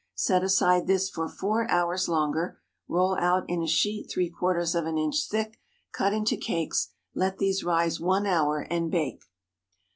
Set aside this for four hours longer, roll out in a sheet three quarters of an inch thick, cut into cakes; let these rise one hour, and bake.